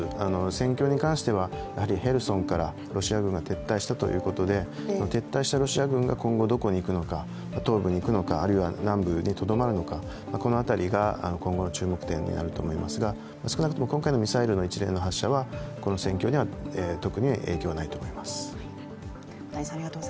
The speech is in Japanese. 戦況に関してはヘルソンからロシア軍が撤退したということで今後どこに行くのか、東部に行くのかあるいは南部にとどまるのか、この辺りが今後の注目点になると思いますが、少なくとも今回のミサイル一連の発射はこの戦況には特に影響はないと思います。